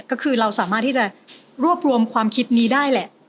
ก็คือเราสามารถที่จะรวบรวมความคิดนี้ได้แหละ